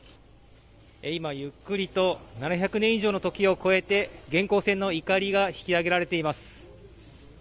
今ゆっくりと７００年以上の時を超えて元寇船のいかりが引き揚げられています。